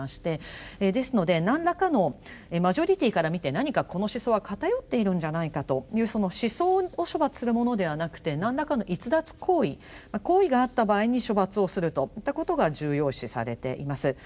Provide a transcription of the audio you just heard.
ですので何らかのマジョリティーから見て何かこの思想は偏っているんじゃないかというその思想を処罰するものではなくて何らかの逸脱行為行為があった場合に処罰をするといったことが重要視されています。